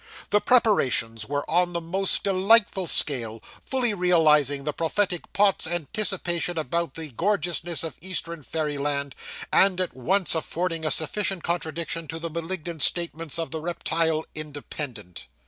The preparations were on the most delightful scale; fully realising the prophetic Pott's anticipations about the gorgeousness of Eastern fairyland, and at once affording a sufficient contradiction to the malignant statements of the reptile Independent.